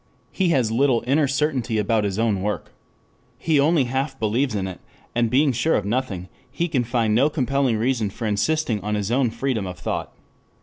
He has little inner certainty about his own work. He only half believes in it, and being sure of nothing, he can find no compelling reason for insisting on his own freedom of thought.